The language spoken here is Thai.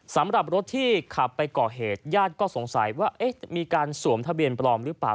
สำหรับรถที่ขับไปก่อเหตุญาติก็สงสัยว่ามีการสวมทะเบียนปลอมหรือเปล่า